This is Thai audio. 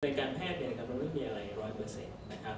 ในการแพทย์เราก็ไม่มีอะไรร้อยเปอร์เซ็นต์